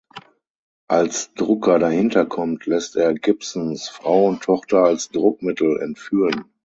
Als Drucker dahinterkommt, lässt er Gibsons Frau und Tochter als Druckmittel entführen.